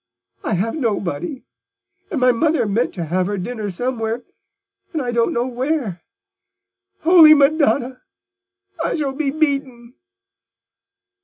I have nobody: and my mother meant to have her dinner somewhere, and I don't know where. Holy Madonna! I shall be beaten."